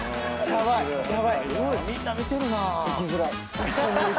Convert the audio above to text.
生きづらい。